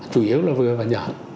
chủ yếu là vừa và nhỏ